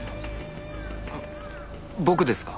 僕ですか？